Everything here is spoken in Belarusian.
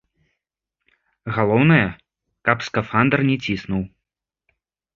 Галоўнае, каб скафандр не ціснуў!